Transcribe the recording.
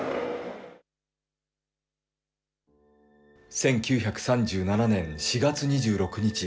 １９３７年４月２６日。